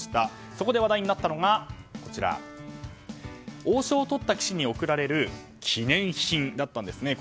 そこで話題になったのが王将をとった棋士に贈られる記念品だったんですね。